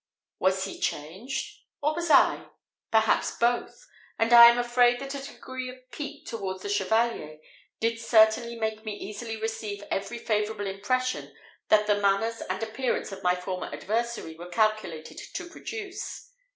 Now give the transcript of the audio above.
Was he changed or was I? Perhaps both; and I am afraid that a degree of pique towards the Chevalier did certainly make me easily receive every favourable impression that the manners and appearance of my former adversary were calculated to produce.